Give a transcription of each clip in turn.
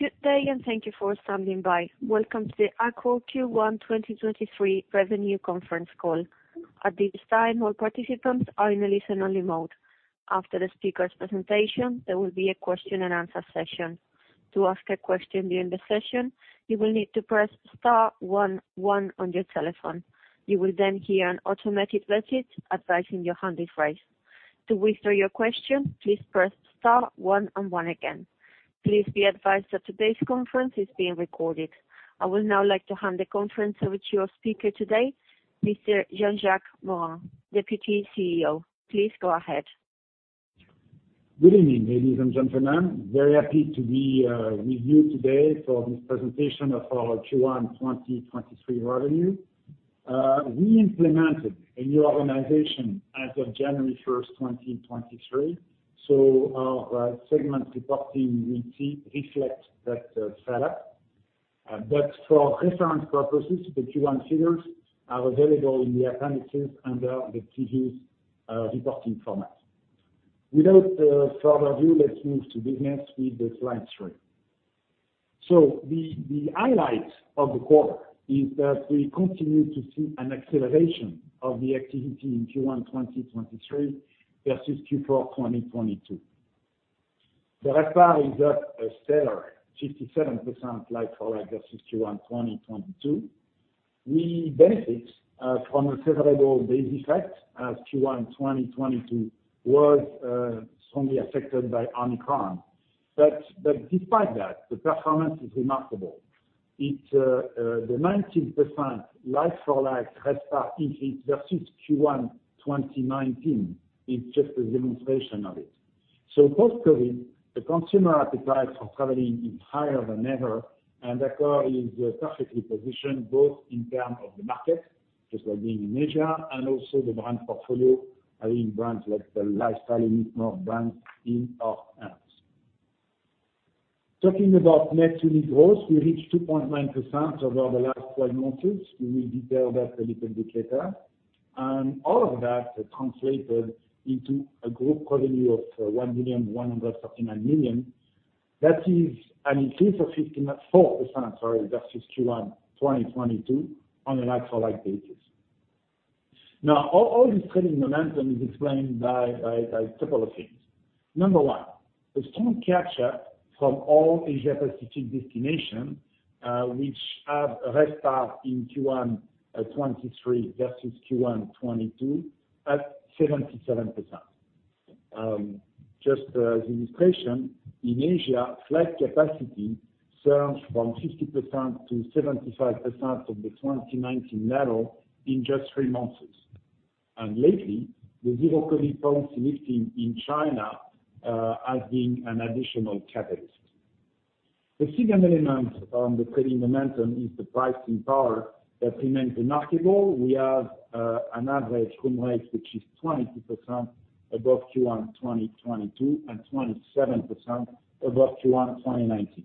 Good day, and thank you for standing by. Welcome to the Accor Q1 2023 revenue conference call. At this time, all participants are in a listen-only mode. After the speaker's presentation, there will be a question-and-answer session. To ask a question during the session, you will need to press star one one on your telephone. You will then hear an automatic message advising your hand is raised. To withdraw your question, please press star one and one again. Please be advised that today's conference is being recorded. I would now like to hand the conference over to your speaker today, Mr. Jean-Jacques Morin, Deputy CEO. Please go ahead. Good evening, ladies and gentlemen. Very happy to be with you today for this presentation of our Q1 2023 revenue. We implemented a new organization as of January 1st, 2023, so our segment reporting will re-reflect that setup. For reference purposes, the Q1 figures are available in the appendices under the previous reporting format. Without further ado, let's move to business with slide 3. The highlight of the quarter is that we continue to see an acceleration of the activity in Q1 2023 versus Q4 2022. The RevPAR is up a stellar 57% like for like versus Q1 2022. We benefit from a favorable base effect, as Q1 2022 was strongly affected by Omicron. Despite that, the performance is remarkable. It, the 19% like for like RevPAR versus Q1 2019 is just a demonstration of it. Post-COVID, the consumer appetite for traveling is higher than ever, and Accor is perfectly positioned, both in term of the market, just by being in Asia, and also the brand portfolio, having brands like the lifestyle and economic brands in our hands. Talking about net unit growth, we reached 2.9% over the last 12 months. We will detail that a little bit later. All of that translated into a group revenue of 1.139 million. That is an increase of 4%, sorry, versus Q1 2022 on a like-for-like basis. All this trading momentum is explained by a couple of things. Number one, a strong capture from all Asia Pacific destinations, which have RevPAR in Q1 2023 versus Q1 2022, at 77%. Just as illustration, in Asia, flight capacity surged from 60% to 75% of the 2019 level in just 3 months. Lately, the zero-COVID policy lifting in China has been an additional catalyst. The second element on the trading momentum is the pricing power that remains remarkable. We have an average room rate, which is 22% above Q1 2022 and 27% above Q1 2019.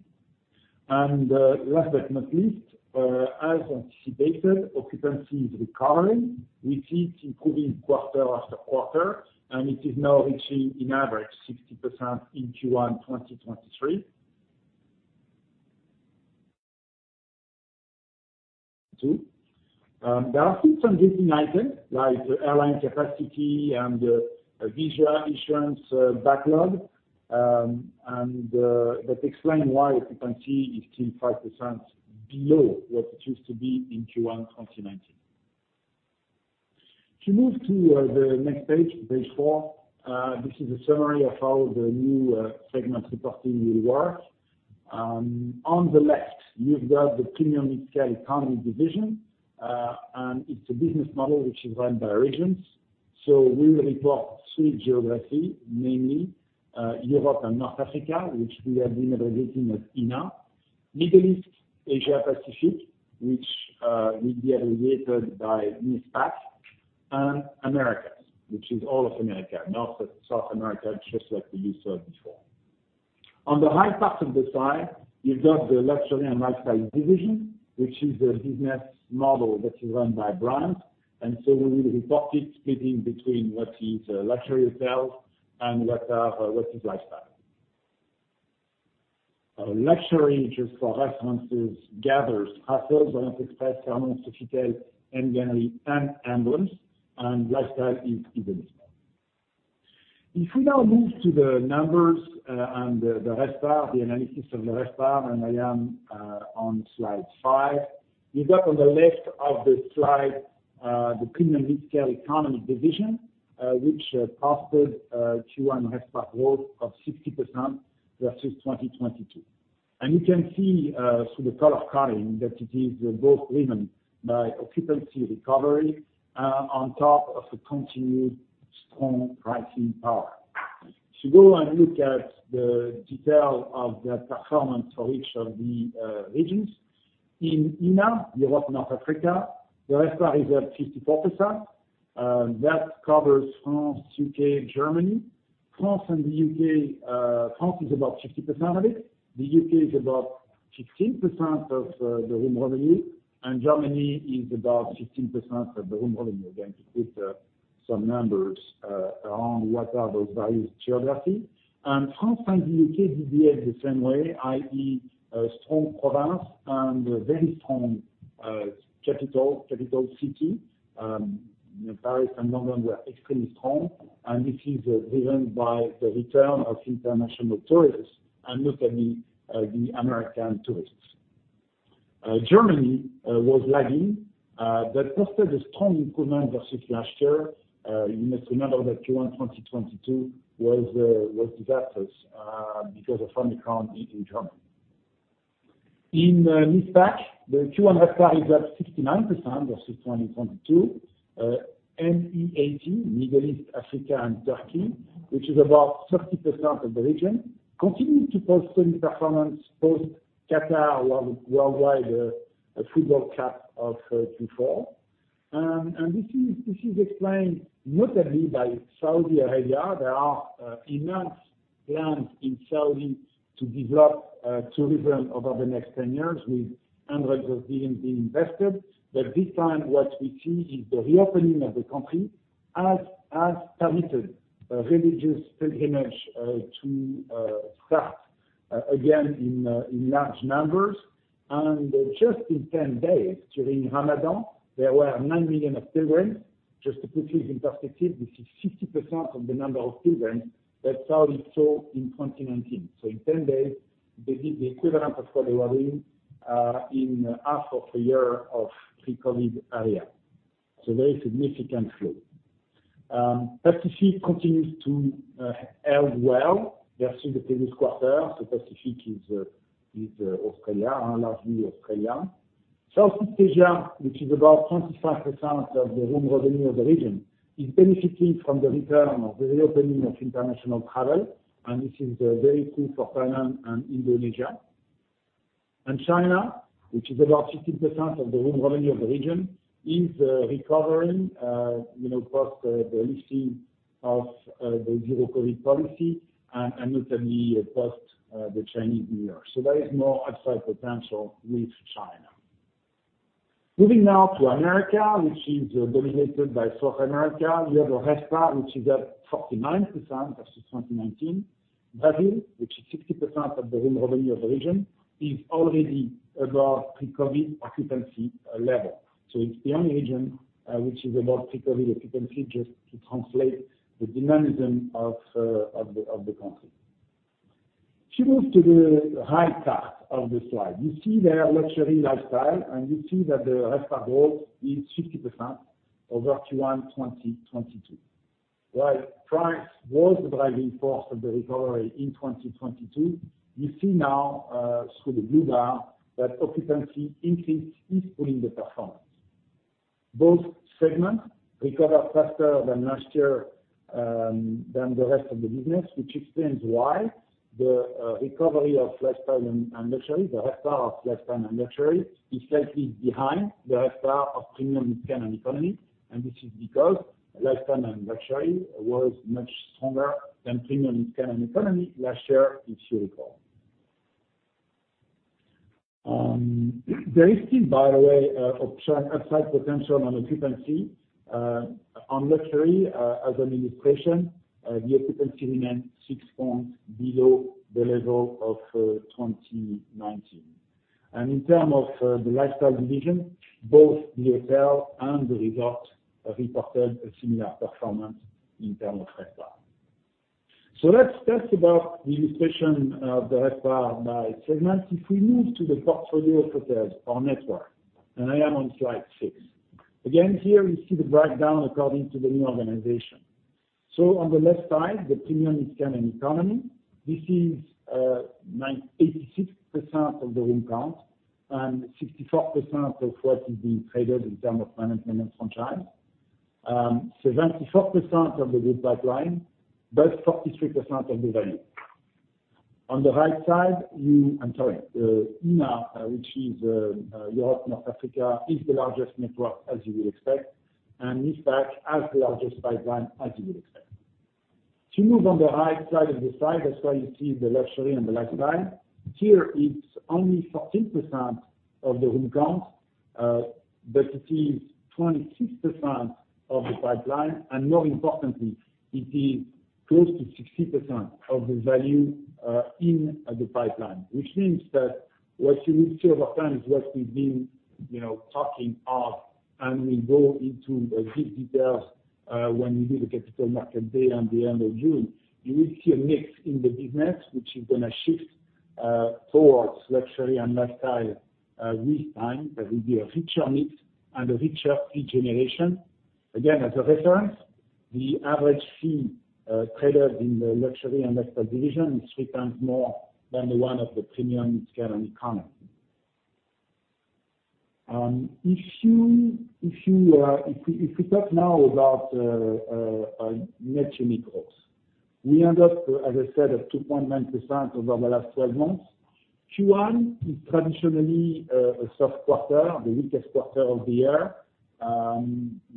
Last but not least, as anticipated, occupancy is recovering. We see it improving quarter after quarter, and it is now reaching, in average, 60% in Q1 2023. There are still some headwind items, like the airline capacity and visa insurance backlog. That explain why occupancy is still 5% below what it used to be in Q1 2019. To move to the next page 4, this is a summary of how the new segment reporting will work. On the left, you've got the premium midscale economy division, and it's a business model which is run by regions. We will report 3 geography, mainly Europe and North Africa, which we have been aggregating as ENA. Middle East, Asia Pacific, which will be aggregated by MEAPAC, and Americas, which is all of America, North and South America, just like we used to have before. On the right part of the slide, you've got the luxury and lifestyle division, which is a business model that is run by brand. We will report it splitting between what is luxury hotels and what is lifestyle. Luxury, just for references, gathers Sofitel Legend and MGallery Brands, and lifestyle is even smaller. If we now move to the numbers, and the RevPAR, the analysis of the RevPAR, and I am on slide 5. You've got on the left of the slide, the premium midscale economy division, which posted a Q1 RevPAR growth of 60% versus 2022. You can see through the color coding that it is both driven by occupancy recovery on top of a continued strong pricing power. To go and look at the detail of that performance for each of the regions. In ENA, Europe North Africa, the RevPAR is at 54%. That covers France, UK, Germany. France and the UK, France is about 50% of it. The UK is about 16% of the room revenue, and Germany is about 15% of the room revenue. Again, to put some numbers around what are those various geography. France and the UK behave the same way, i.e., strong province and a very strong capital city. Paris and London were extremely strong, and this is driven by the return of international tourists and look at the American tourists. Germany was lagging, but posted a strong improvement versus last year. You must remember that Q1 2022 was disastrous because of Omicron in Germany. In MEAPAC, the Q1 RevPAR is up 69% versus 2022. MEAT, Middle East, Africa and Turkey, which is about 30% of the region, continued to post strong performance post FIFA World Cup Qatar 2022. This is explained notably by Saudi Arabia. There are immense plans in Saudi to develop tourism over the next 10 years, with hundreds of billions being invested. This time what we see is the reopening of the country has permitted religious pilgrimage to start again in large numbers. Just in 10 days during Ramadan, there were 9 million of pilgrims. Just to put this in perspective, this is 60% of the number of pilgrims that Saudi saw in 2019. In 10 days, they did the equivalent of what they were doing in half of a year of pre-COVID era. Very significant flow. Pacific continues to held well versus the previous quarter. Pacific is Australia, largely Australia. Southeast Asia, which is about 25% of the room revenue of the region, is benefiting from the return of the reopening of international travel, and this is very key for Thailand and Indonesia. China, which is about 15% of the room revenue of the region, is recovering, you know, post the lifting of the zero-COVID policy and notably post the Chinese New Year. There is more upside potential with China. Moving now to America, which is dominated by South America. We have the RevPAR, which is up 49% versus 2019. Brazil, which is 60% of the room revenue of the region, is already above pre-COVID occupancy level. It's the only region which is above pre-COVID occupancy, just to translate the dynamism of the country. If you move to the right half of the slide, you see there luxury lifestyle, and you see that the RevPAR growth is 50% over Q1 2022. While price was the driving force of the recovery in 2022, you see now through the blue bar that occupancy increase is pulling the performance. Both segments recover faster than last year than the rest of the business, which explains why the recovery of lifestyle and luxury, the RevPAR of lifestyle and luxury is slightly behind the RevPAR of premium, midscale, and economy. This is because lifestyle and luxury was much stronger than premium, midscale, and economy last year, if you recall. There is still, by the way, upside potential on occupancy on luxury, as an illustration. The occupancy remains 6 points below the level of 2019. In terms of the lifestyle division, both the hotel and the resort reported a similar performance in terms of RevPAR. That's about the illustration of the RevPAR by segment. If we move to the portfolio of hotels or network, I am on slide 6. Again, here you see the breakdown according to the new organization. On the left side, the premium, midscale, and economy. This is 86% of the room count and 64% of what is being traded in terms of management and franchise. 74% of the group pipeline, but 43% of the value. On the right side, I'm sorry. ENA, which is Europe, North Africa, is the largest network as you would expect, and MEAPAC has the largest pipeline as you would expect. If you move on the right side of the slide, that's why you see the luxury and the lifestyle. Here it's only 14% of the room count, but it is 26% of the pipeline. More importantly, it is close to 60% of the value in the pipeline. Which means that what you will see over time is what we've been, you know, talking of, and we go into deep details when we do the Capital Markets Day on the end of June. You will see a mix in the business, which is gonna shift towards luxury and lifestyle with time. There will be a richer mix and a richer fee generation. Again, as a reference, the average fee, traded in the luxury and lifestyle division is 3 times more than the one of the premium, midscale, and economy. If we talk now about net unit growth, we end up, as I said, at 2.9% over the last 12 months. Q1 is traditionally a soft quarter, the weakest quarter of the year.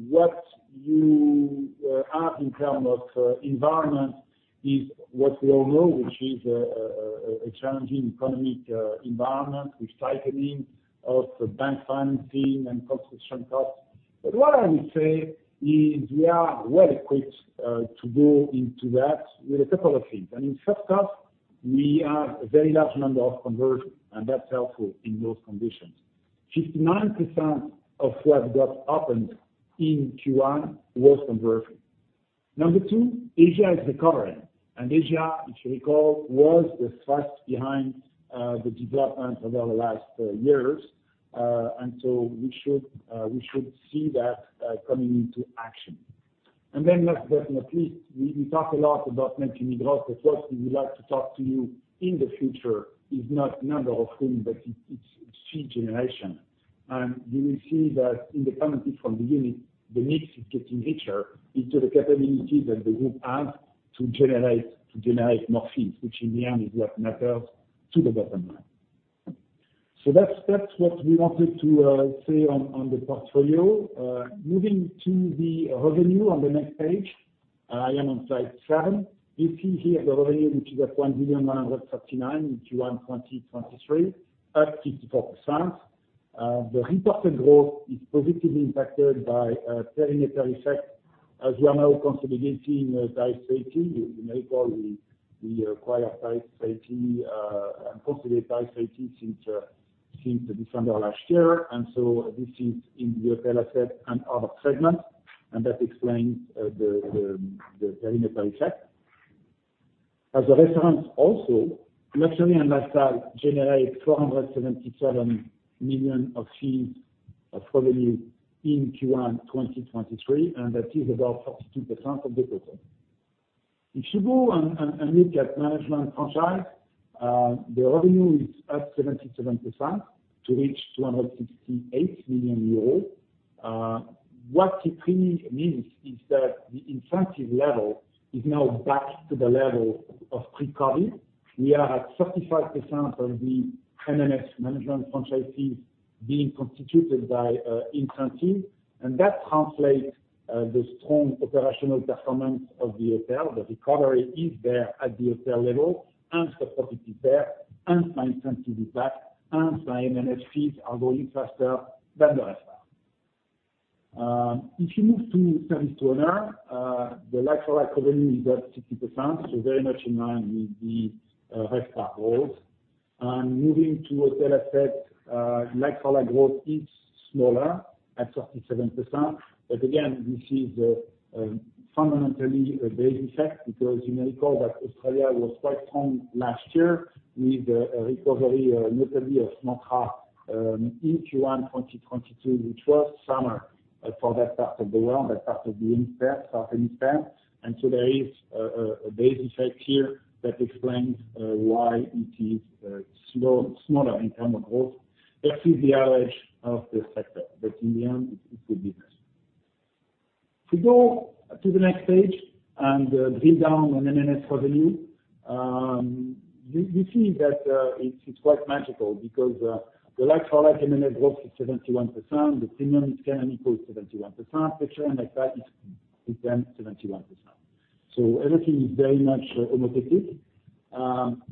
What you have in term of environment is what we all know, which is a challenging economic environment with tightening of bank financing and construction costs. What I would say is we are well equipped to go into that with a couple of things. In first off, we have a very large number of conversions, and that's helpful in those conditions. 59% of what got opened in Q1 was conversion. Number 2, Asia is recovering. Asia, if you recall, was the thrust behind the development over the last years. We should see that coming into action. Last but not least, we talk a lot about managing growth, but what we would like to talk to you in the future is not number of things, but it's fee generation. You will see that in the commentary from the unit, the mix is getting richer into the capabilities that the group have to generate more fees, which in the end is what matters to the bottom line. That's what we wanted to say on the portfolio. Moving to the revenue on the next page. I am on slide 7. You see here the revenue, which is at 1.139 million in Q1 2023, up 64%. The reported growth is positively impacted by perimeter effect. As you are now consolidating D-EDGE. You may recall we acquired D-EDGE and considered D-EDGE since December last year. This is in the hotel asset and other segments, and that explains the perimeter effect. As a reference also, luxury and lifestyle generate 277 million of fees of revenue in Q1 2023, and that is about 42% of the total. If you go and look at management franchise, the revenue is up 77% to reach 268 million euros. What it really means is that the incentive level is now back to the level of pre-COVID. We are at 35% of the M&F Management & Franchise fees being constituted by incentives, and that translates the strong operational performance of the hotel. The recovery is there at the hotel level, and capacity is there, and my incentive is back, and my M&F fees are growing faster than the rest. If you move to service to owner, the like-for-like revenue is up 60%, so very much in line with the rest are growth. Moving to hotel asset, like-for-like growth is smaller at 37%. This is fundamentally a base effect because you may recall that Australia was quite strong last year with a recovery notably of small cap in Q1 2022, which was summer for that part of the world, that part of the hemisphere. There is a base effect here that explains why it is smaller in term of growth. That is the average of the sector, but in the end, it will be better. If we go to the next page and drill down on M&F revenue, you see that it's quite magical because the like-for-like M&F growth is 71%. The premium economy grows 71%. Luxury and lifestyle is then 71%. Everything is very much homogenic.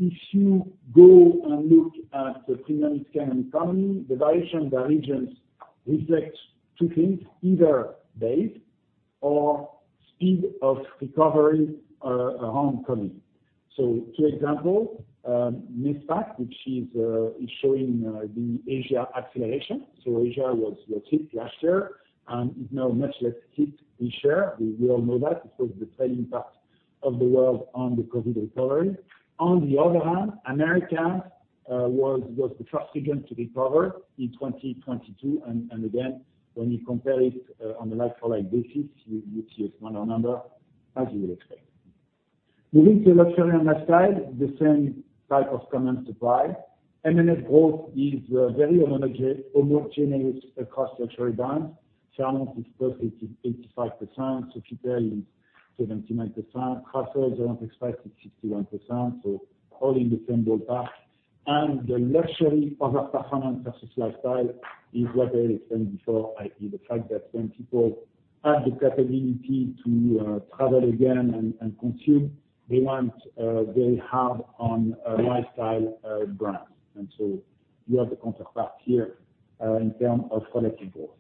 If you go and look at the premium economy, the variation by regions reflects 2 things, either base or speed of recovery around COVID. 2 example, MEAPAC, which is showing the Asia acceleration. Asia was hit last year and is now much less hit this year. We all know that this was the trailing part of the world on the COVID recovery. On the other hand, America was the first region to recover in 2022. Again, when you compare it on a like-for-like basis, you see a smaller number as you would expect. Moving to luxury and lifestyle, the same type of comments apply. M&F growth is very homogeneous across luxury brands. Fairmont is +80-85%. Sofitel is 79%. Raffles around 60-61%. All in the same ballpark. The luxury over performance versus lifestyle is what I explained before, i.e., the fact that when people have the capability to travel again and consume, they want, they have on a lifestyle brands. You have the counterpart here in term of collective growth.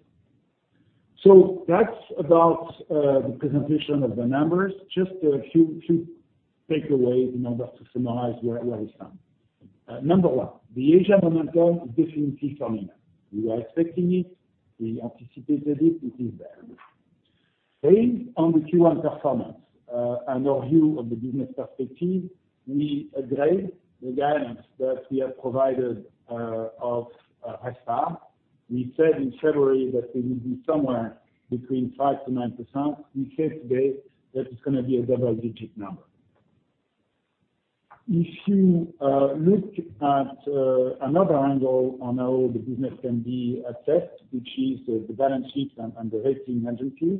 That's about the presentation of the numbers. Just a few takeaways in order to summarize where we stand. Number one, the Asia momentum is definitely coming up. We were expecting it. We anticipated it. It is there. Based on the Q1 performance, and our view of the business perspective, we upgrade the guidance that we have provided of RevPAR. We said in February that we will be somewhere between 5%-9%. We say today that it's gonna be a double-digit number. If you look at another angle on how the business can be assessed, which is the balance sheets and the rating agencies,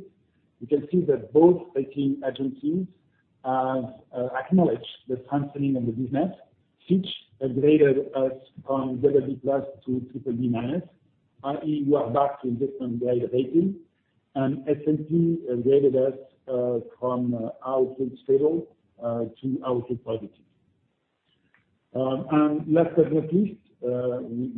you can see that both rating agencies have acknowledged the strengthening of the business. Fitch upgraded us from BB+ to BBB-. I mean, we are back in different way of rating, and S&P upgraded us from outlook stable to outlook positive. Last but not Mleast, we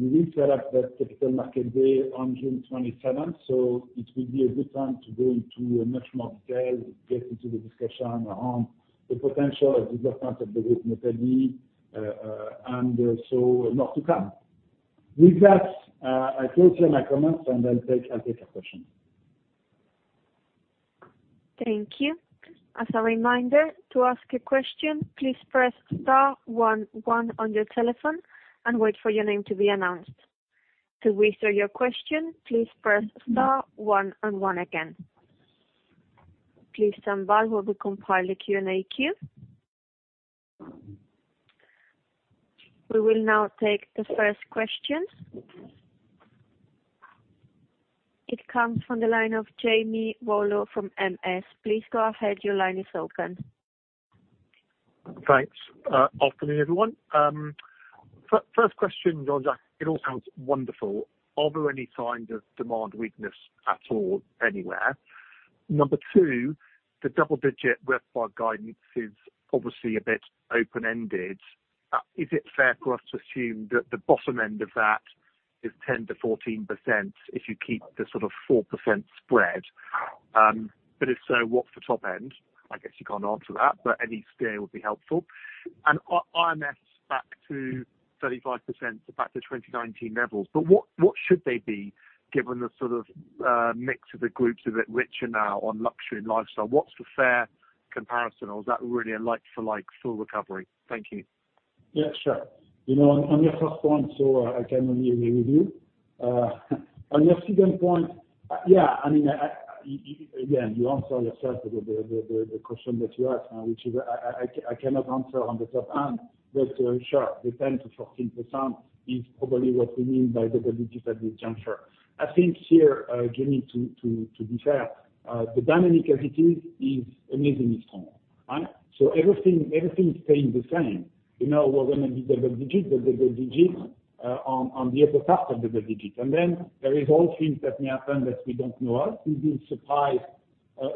will set up that Capital Markets Day on June 27th, so it will be a good time to go into much more detail, get into the discussion on the potential of development of the group mode de vie, and so a lot to come. With that, I close here my comments, and I'll take a question. Thank you. As a reminder, to ask a question, please press star one one on your telephone and wait for your name to be announced. To withdraw your question, please press star one and one again. Please stand by while we compile a Q&A queue. We will now take the first question. It comes from the line of Jamie Rollo from M.S. Please go ahead. Your line is open. Thanks. Afternoon, everyone. First question, Jean-Jacques. It all sounds wonderful. Are there any signs of demand weakness at all anywhere? Number two, the double-digit RevPAR guidance is obviously a bit open-ended. Is it fair for us to assume that the bottom end of that is 10%-14% if you keep the sort of 4% spread? If so, what's the top end? I guess you can't answer that, but any scale would be helpful. I-IMS back to 35%, so back to 2019 levels. What, what should they be given the sort of mix of the groups a bit richer now on luxury and lifestyle? What's the fair comparison, or is that really a like for like full recovery? Thank you. Yeah, sure. You know, on your first point, I can only agree with you. on your second point, yeah, I mean, I again, you answer yourself the question that you ask now, which is I cannot answer on the top hand. sure, the 10%-14% is probably what we mean by double digits at this juncture. I think here, Jamie, to be fair, the dynamic as it is amazingly strong. Right? Everything stays the same. You know, we're gonna be double digits on the upper half of double digits. There is all things that may happen that we don't know of. We've been surprised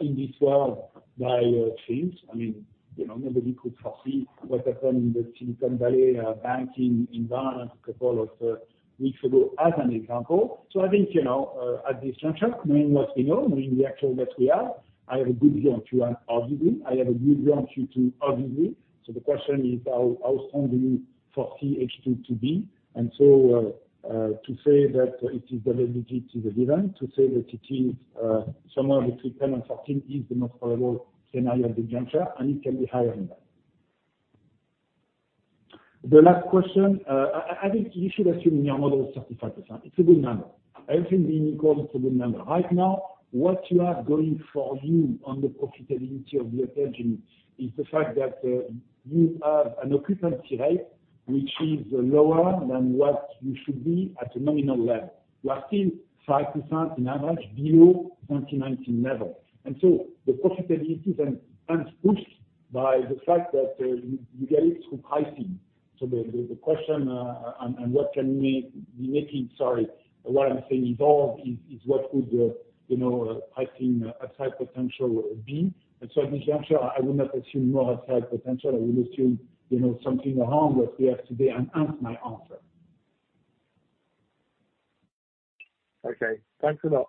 in this world by things. I mean, you know, nobody could foresee what happened in the Silicon Valley banking environment a couple of weeks ago as an example. I think, you know, at this juncture, knowing what we know, knowing the actual that we have, I have a good view on Q1 obviously, I have a good view on Q2 obviously. The question is how strong will you foresee H2 to be. To say that it is double digits is a given, to say that it is somewhere between 10 and 14 is the most probable scenario at this juncture, and it can be higher than that. The last question, I think you should assume in your model 35%. It's a good number. Everything being equal, it's a good number. Right now, what you have going for you on the profitability of the hotel engine is the fact that you have an occupancy rate which is lower than what you should be at a nominal level. You are still 5% in average below 2019 level. The profitability then aren't pushed by the fact that you get it through pricing. The question and what can we be making. Sorry. What I'm saying evolve is what would the, you know, pricing upside potential would be. At this juncture, I will not assume more upside potential. I will assume, you know, something along what we have today and hence my answer. Okay. Thanks a lot.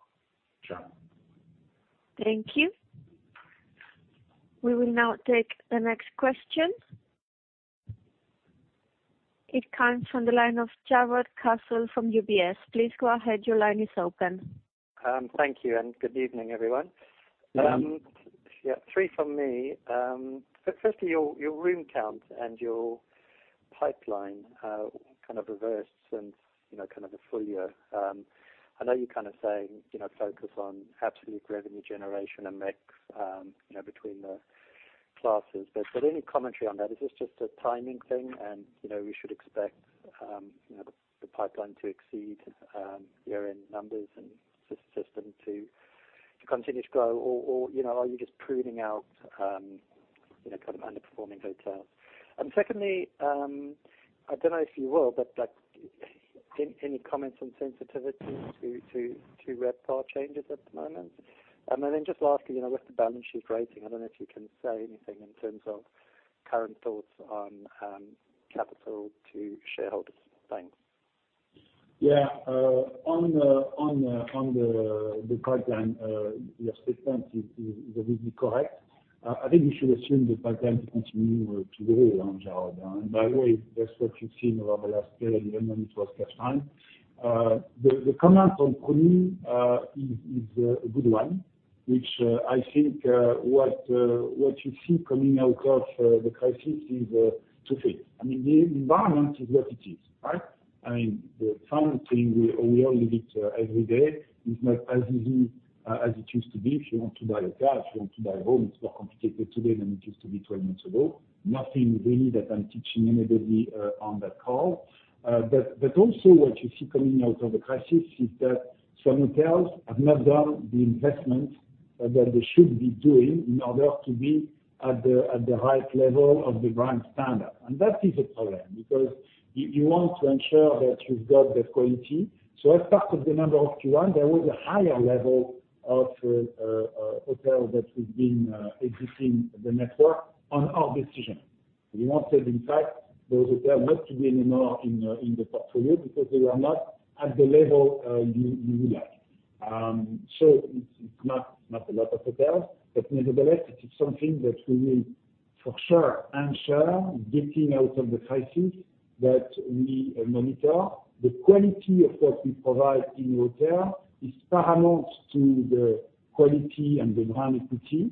Sure. Thank you. We will now take the next question. It comes from the line of Jarrod Castle from UBS. Please go ahead. Your line is open. Thank you. Good evening, everyone. Mm-hmm. Yeah, 3 from me. Firstly, your room count and your pipeline, kind of reversed since, you know, the full year. I know you're kind of saying, you know, focus on absolute revenue generation and mix, you know, between the classes. Any commentary on that? Is this just a timing thing and, you know, we should expect, you know, the pipeline to exceed, year-end numbers and for system to continue to grow or, you know, are you just pruning out, you know, kind of underperforming hotels? Secondly, I don't know if you will, but, like, any comments on sensitivity to RevPAR changes at the moment? Just lastly, you know, with the balance sheet rating, I don't know if you can say anything in terms of current thoughts on capital to shareholders. Thanks. Yeah. On the pipeline, your statement is obviously correct. I think you should assume the pipeline to continue to grow, Jarrod. By the way, that's what you've seen over the last period, even when it was cash flow. The comment on pruning is a good one, which I think what you see coming out of the crisis is two things. I mean, the environment is what it is, right? I mean, the funding thing, we all live it every day. It's not as easy as it used to be. If you want to buy a car, if you want to buy a home, it's more complicated today than it used to be 12 months ago. Nothing really that I'm teaching anybody on that call. Also what you see coming out of the crisis is Some hotels have not done the investment that they should be doing in order to be at the right level of the brand standard. That is a problem, because you want to ensure that you've got the quality. As part of the number of Q1, there was a higher level of hotel that we've been exiting the network on our decision. We want in fact those hotel not to be anymore in the portfolio because they were not at the level you would like. It's not a lot of hotels, but nevertheless, it is something that we will for sure ensure getting out of the crisis that we monitor. The quality of what we provide in hotel is paramount to the quality and the brand equity.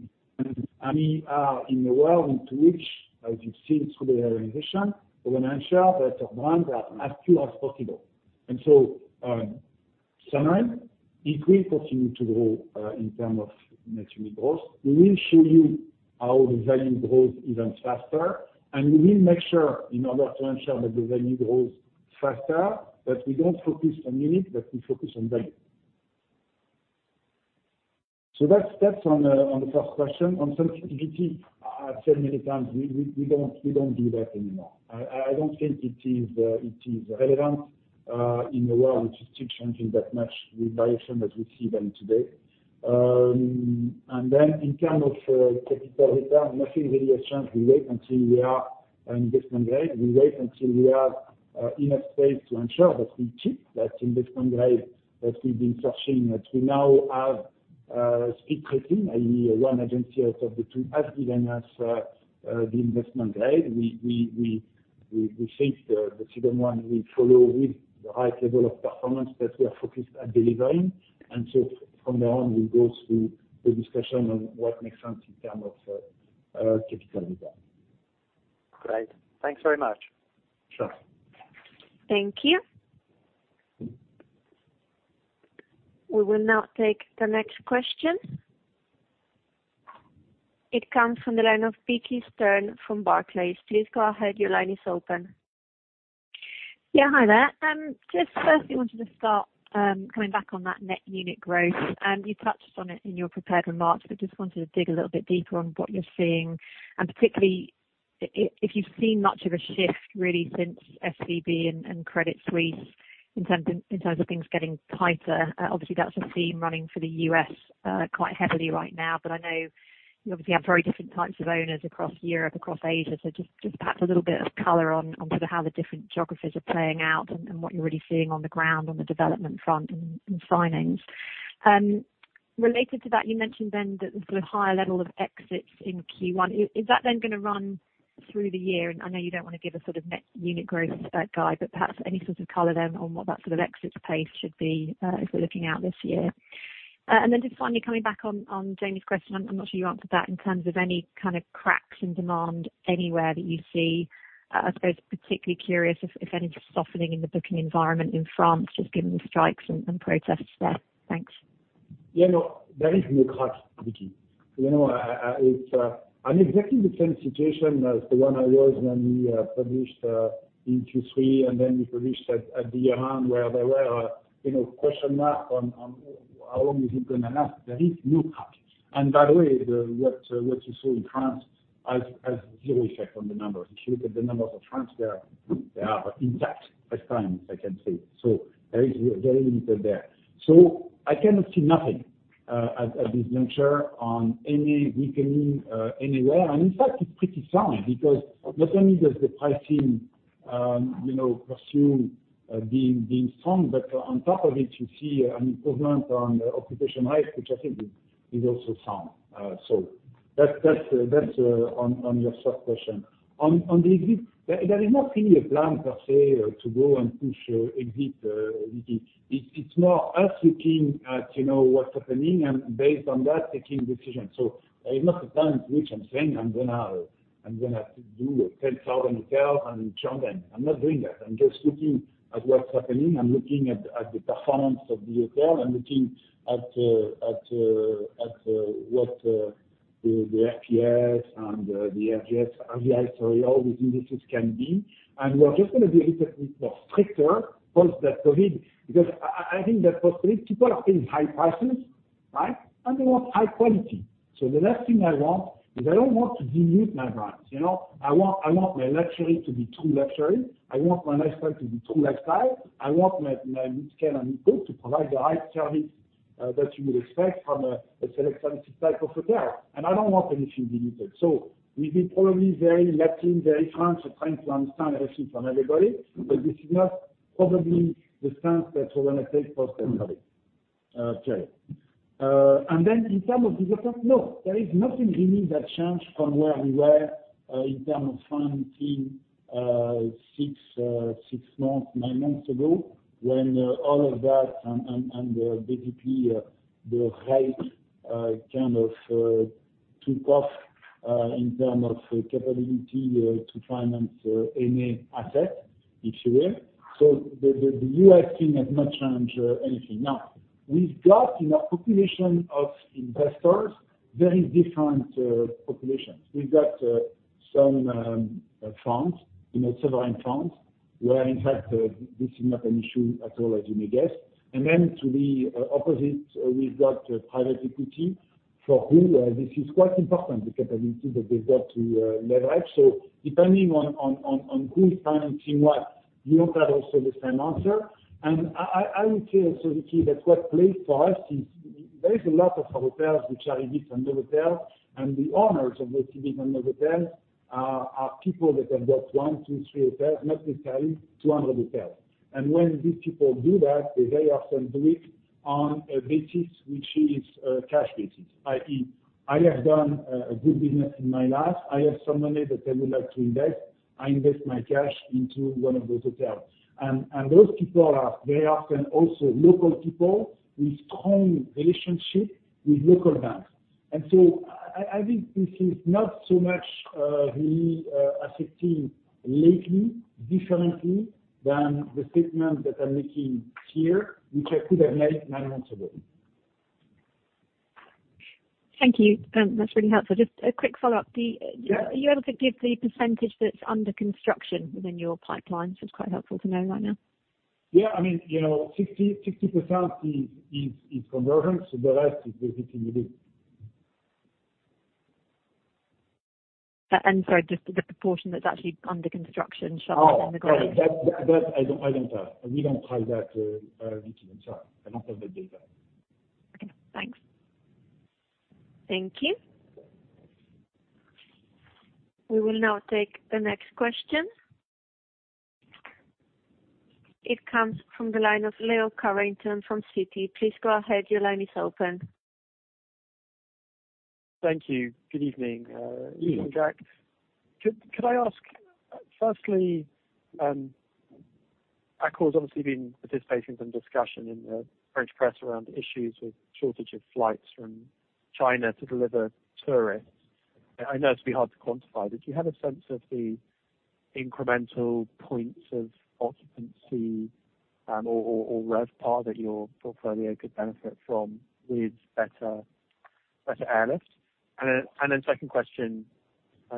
We are in a world into which, as you've seen through the organization, we're gonna ensure that the brands are as pure as possible. summary, if we continue to grow in term of net unit growth, we will show you how the value grows even faster. We will make sure in order to ensure that the value grows faster, that we don't focus on unit, that we focus on value. That's on the first question. On sensitivity, I've said many times, we don't do that anymore. I don't think it is relevant in a world which is still changing that much with variation that we see them today. Then in terms of capital return, nothing really has changed. We wait until we are in investment grade. We wait until we have enough space to ensure that we keep that investment grade that we've been searching. That we now have S&P rating, i.e., one agency out of the two has given us the investment grade. We think the second one will follow with the right level of performance that we are focused on delivering. So from there on, we'll go through the discussion on what makes sense in terms of capital return. Great. Thanks very much. Sure. Thank you. We will now take the next question. It comes from the line of Vicki Stern from Barclays. Please go ahead. Your line is open. Yeah, hi there. Just firstly wanted to start, coming back on that net unit growth. You touched on it in your prepared remarks, just wanted to dig a little bit deeper on what you're seeing, and particularly if you've seen much of a shift really since SVB and credit squeeze in terms of things getting tighter. Obviously that's a theme running for the U.S., quite heavily right now. I know you obviously have very different types of owners across Europe, across Asia. Just perhaps a little bit of color on sort of how the different geographies are playing out and what you're really seeing on the ground on the development front and signings. Related to that, you mentioned then that the sort of higher level of exits in Q1, is that then gonna run through the year? I know you don't wanna give a sort of net unit growth guide, but perhaps any sort of color then on what that sort of exit pace should be as we're looking out this year. Just finally coming back on Jamie's question, I'm not sure you answered that in terms of any kind of cracks in demand anywhere that you see. I suppose particularly curious if any softening in the booking environment in France, just given the strikes and protests there. Thanks. no, there is no cracks, Vicki. You know, I, it's, I'm exactly the same situation as the one I was when we published in Q3, and then we published at the year on where there were, you know, question mark on how long is it gonna last. There is no cracks. By the way, the, what you saw in France has 0 effect on the numbers. If you look at the numbers of France, they are intact as times I can say. There is very little there. I cannot see nothing at this juncture on any weakening anywhere. In fact it's pretty sound because not only does the pricing, you know, pursue being strong, but on top of it you see an improvement on occupation rate, which I think is also sound. So that's on your first question. On the exit, there is not really a plan per se to go and push exit, Vicki. It's more us looking at, you know, what's happening and based on that taking decision. There is not a time at which I'm saying I'm gonna do 10,000 hotels and churn them. I'm not doing that. I'm just looking at what's happening. I'm looking at the performance of the hotel. I'm looking at what the MPI and the ARI, RGI, sorry, all these indices can be. We're just gonna be a little bit more stricter post the COVID because I think that post COVID, people are paying high prices, right. They want high quality. The last thing I want is I don't want to dilute my brands, you know. I want my luxury to be true luxury. I want my lifestyle to be true lifestyle. I want my Midscale and Eco to provide the right service that you would expect from a select service type of hotel, and I don't want anything diluted. We've been probably very Latin, very France trying to understand everything from everybody. This is not probably the stance that we're gonna take post-COVID. Jerry. In term of the other part, no, there is nothing really that changed from where we were, in term of funding, 6, 9 months ago when all of that and the BBP, the rate, kind of, took off, in term of capability, to finance any asset, if you will. The U.S. team has not changed anything. We've got in our population of investors, very different populations. Some, France, you know, several in France, where in fact, this is not an issue at all, as you may guess. To the opposite, we've got private equity for who this is quite important, the capability that they've got to leverage. Depending on who is financing what, you don't have also the same answer. I would say also, Nicky, that what plays for us is there is a lot of hotels which are in this 100 hotel, and the owners of those 100 hotel are people that have got 1, 2, 3 hotels, not necessarily 200 hotels. When these people do that, they very often do it on a basis which is cash basis. i.e., I have done a good business in my life. I have some money that I would like to invest. I invest my cash into one of those hotels. Those people are very often also local people with strong relationship with local banks. I think this is not so much, really, affecting lately differently than the statement that I'm making here, which I could have made nine months ago. Thank you. That's really helpful. Just a quick follow-up. Yeah. Are you able to give the percentage that's under construction within your pipeline? It's quite helpful to know right now. Yeah. I mean, you know, 60% is conversion. The rest is basically new build. I'm sorry, just the proportion that's actually under construction rather than the. Oh, that I don't have. We don't have that detailed chart. I don't have the data. Okay. Thanks. Thank you. We will now take the next question. It comes from the line of Leo Carrington from Citi. Please go ahead. Your line is open. Thank you. Good evening. Good evening. Evening, Jacques. Could I ask, firstly, Accor's obviously been participating in some discussion in the French press around issues with shortage of flights from China to deliver tourists. I know it's be hard to quantify. Do you have a sense of the incremental points of occupancy, or RevPAR that your portfolio could benefit from with better airlift? Second question,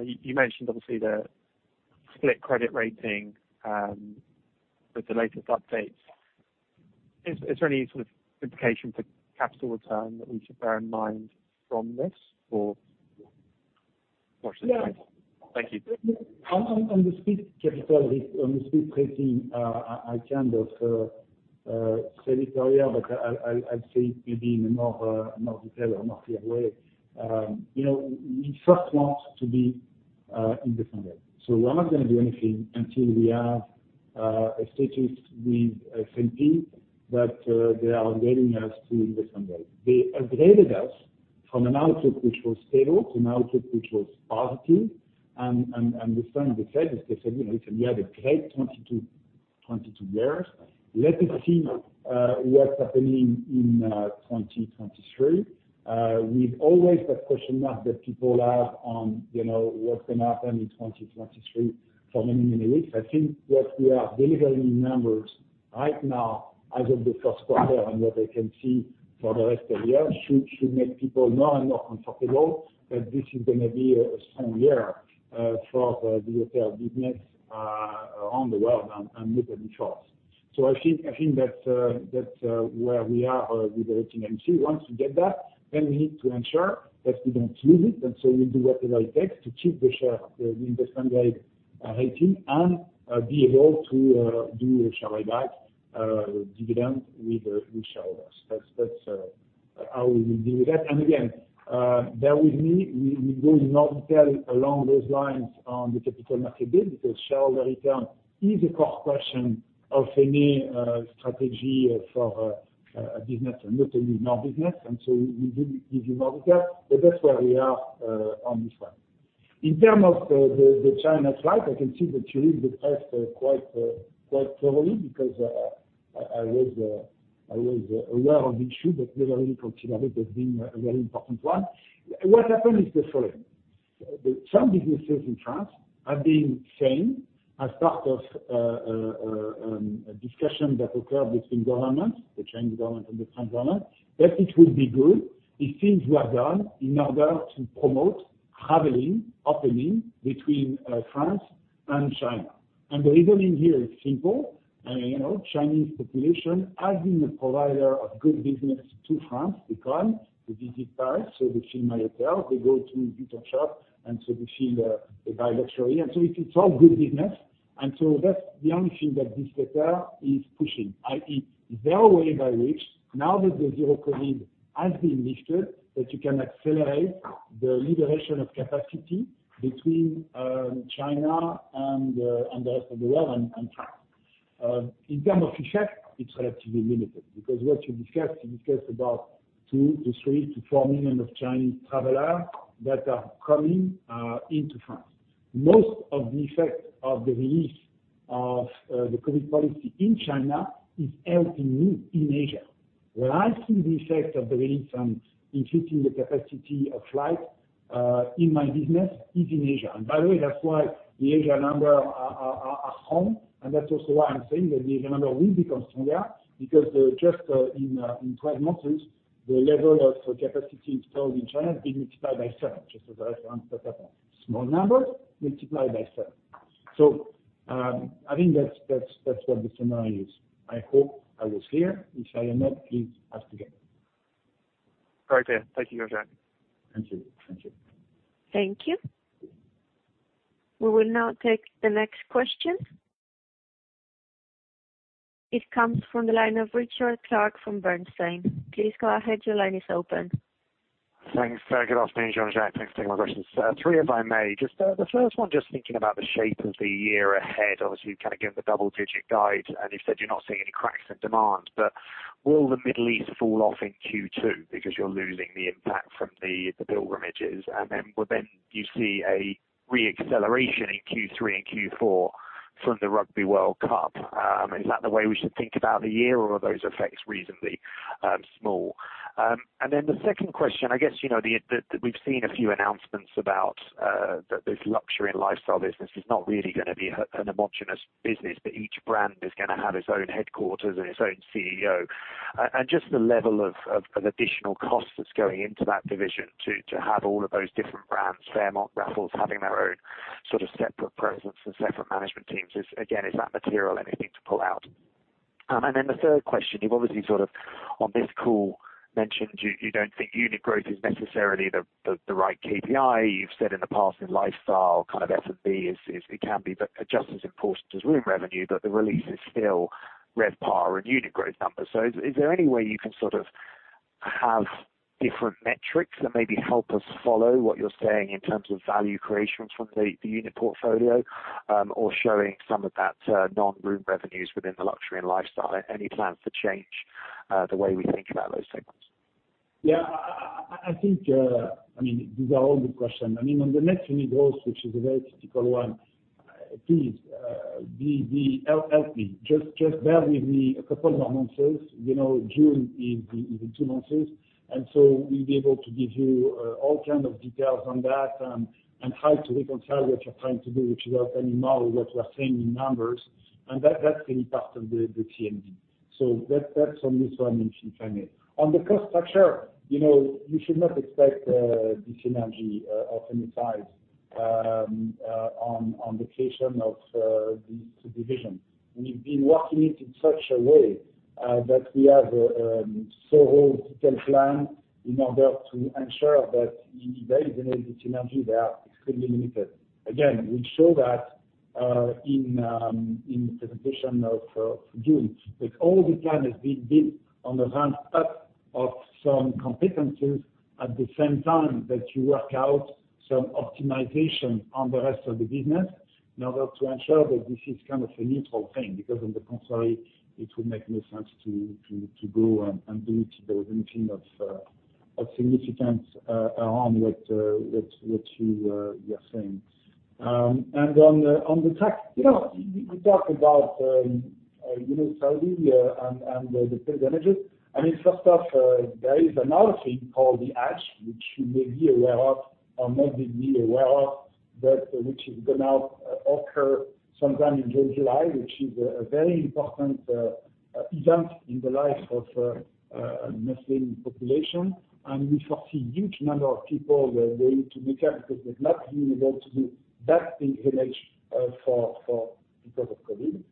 you mentioned obviously the split credit rating with the latest updates. Is there any sort of implication for capital return that we should bear in mind from this or watch the space? Yeah. Thank you. On the split capital, on the split rating, I can of say this earlier, but I'll say it maybe in a more detail or more clear way. You know, we first want to be investment grade. We're not gonna do anything until we have a status with S&P that they are grading us to investment grade. They upgraded us from an outlook which was stable to an outlook which was positive. The thing they said is they said, you know, we said we had a great 20 to 22 years. Let us see what's happening in 2023. We've always that question mark that people have on, you know, what's gonna happen in 2023 for many, many weeks. I think what we are delivering in numbers right now as of the first quarter and what they can see for the rest of the year should make people more and more comfortable that this is gonna be a strong year for the hotel business around the world and with Accor. I think that where we are with the rating agency. Once we get that, then we need to ensure that we don't lose it. We'll do whatever it takes to keep the share, the investment grade rating and be able to do a share buyback, dividend with the shareholders. That's how we will deal with that. Again, bear with me, we go in more detail along those lines on the Capital Markets Day because shareholder return is a core question of any strategy for a business and literally no business. We will give you more detail, but that's where we are on this one. In term of the China flight, I can see that you read the press quite thoroughly because I was aware of the issue, but never really considered it as being a very important one. What happened is the following. Some businesses in France have been saying as part of a discussion that occurred between governments, the Chinese Government and the French Government, that it would be good if things were done in order to promote traveling, opening between France and China. The reasoning here is simple. You know, Chinese population has been a provider of good business to France. They come, they visit Paris, they fill my hotel, they go to duty shop, they fill the guy luxury. It's all good business. That's the only thing that this letter is pushing, i.e., their way by which now that the zero-COVID has been lifted, that you can accelerate the liberation of capacity between China and the rest of the world and France. In term of effect, it's relatively limited because what you discuss, you discuss about 2 to 3 to 4 million of Chinese travelers that are coming into France. Most of the effect of the release of the COVID policy in China is helping me in Asia. Where I see the effect of the release on increasing the capacity of flight in my business is in Asia. By the way, that's why the Asia number are strong. That's also why I'm saying that the Asia number will become stronger because just in 12 months, the level of capacity installed in China has been multiplied by 7, just as a reference. That's a small number multiplied by 7. I think that's what the scenario is. I hope I was clear. If I am not, please ask again. Very clear. Thank you, Jean-Jacques. Thank you. Thank you. Thank you. We will now take the next question. It comes from the line of Richard Clarke from Bernstein. Please go ahead. Your line is open. Thanks. Good afternoon, Jean-Jacques. Thanks for taking my questions. Three, if I may. Just, the first one, just thinking about the shape of the year ahead. Obviously, you've kinda given the double-digit guide, and you said you're not seeing any cracks in demand. Will the Middle East fall off in Q2 because you're losing the impact from the pilgrimages? Will then you see a re-acceleration in Q3 and Q4 from the Rugby World Cup? Is that the way we should think about the year, or are those effects reasonably small? The second question, I guess, you know, the, we've seen a few announcements about that this luxury and lifestyle business is not really gonna be an homogeneous business, but each brand is gonna have its own headquarters and its own CEO. Just the level of additional costs that's going into that division to have all of those different brands, Fairmont, Raffles, having their own sort of separate presence and separate management teams. Is that material anything to pull out? Then the third question, you've obviously sort of on this call mentioned you don't think unit growth is necessarily the right KPI. You've said in the past in lifestyle, kind of F&B is it can be just as important as room revenue, but the release is still RevPAR and unit growth numbers. Is there any way you can sort of have different metrics that maybe help us follow what you're saying in terms of value creation from the unit portfolio, or showing some of that non-room revenues within the luxury and lifestyle? Any plans to change, the way we think about those segments? Yeah. I think, I mean, these are all good questions. I mean, on the net unit growth, which is a very critical one, please help me. Just bear with me a couple more months. You know, June is in two months, we'll be able to give you all kind of details on that, and how to reconcile what you're trying to do, which is any model, what you are seeing in numbers, and that's really part of the TMG. That, that's only so I mentioned, if I may. On the cost structure, you know, you should not expect this energy of any size on the creation of these two divisions. We've been working it in such a way that we have so whole detailed plan in order to ensure that there is energy, there are extremely limited. Again, we show that in the presentation of June, that all the plan has been built on the ramp up of some competencies at the same time that you work out some optimization on the rest of the business in order to ensure that this is kind of a neutral thing, because on the contrary it would make no sense to go and do anything of significance around what you are saying. On the track, you know, we talked about, you know, Saudi and the pilgrimages. I mean, first off, there is another thing called the Hajj, which you may be aware of or may not be aware of, but which is gonna occur sometime in July, which is a very important event in the life of Muslim population. We foresee huge number of people going to Mecca because they've not been able to do that pilgrimage for because of COVID.